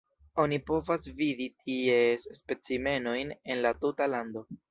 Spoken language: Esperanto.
Oni povas vidi ties specimenojn en la tuta lando.